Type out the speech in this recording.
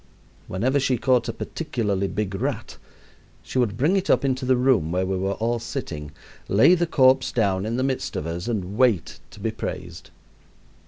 Whenever she caught a particularly big rat, she would bring it up into the room where we were all sitting, lay the corpse down in the midst of us, and wait to be praised.